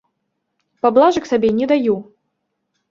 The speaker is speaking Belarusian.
Паблажак сабе не даю.